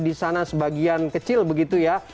di sana sebagian kecil begitu ya